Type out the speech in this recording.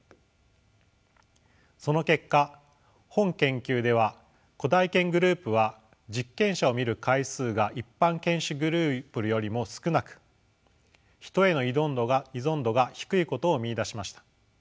その結果本研究では古代犬グループは実験者を見る回数が一般犬種グループよりも少なくヒトへの依存度が低いことを見いだしました。